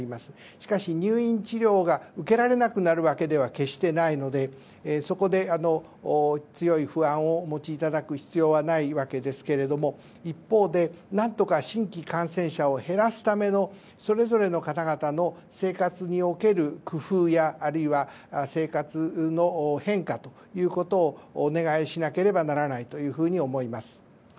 しかし入院治療が受けられなくなるわけでは決してないのでそこで、強い不安をお持ちいただく必要はないわけですが一方で、何とか新規感染者を減らすためのそれぞれの方々の生活における工夫やあるいは生活の変化ということをお願いしなければならないというふうに思います。